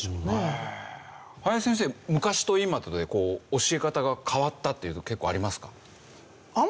昔と今とで教え方が変わったっていうの結構ありますか？